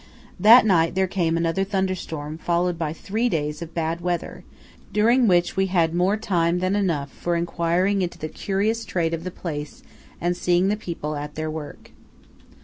That night there came another thunderstorm followed by three days of bad weather, during which we had more time than enough for enquiring into the curious trade of the place, and seeing the people at their work.